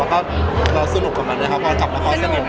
ตอบว่าสนุกกว่ามั้นไหมคะการจับแล้วก็สะงิม